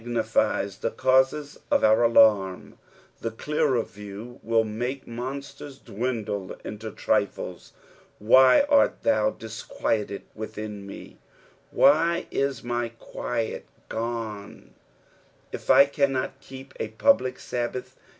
_^— 'adle niftes the causes of our alarm ; a clearer view nill make moastera dwindle into trifles. "Why art thou diiqaieted teithin mef" Why is my quiet gooet If I cannot keep a public Subbath.